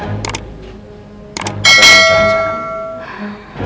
apa yang kau ingat